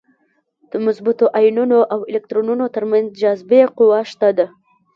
د مثبتو ایونونو او الکترونونو تر منځ جاذبې قوه شته ده.